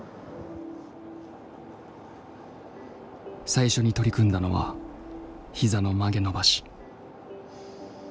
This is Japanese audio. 最初に取り組んだのはひざの曲げ伸ばし。